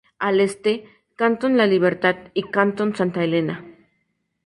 Al Este: Cantón La Libertad y Cantón Santa Elena.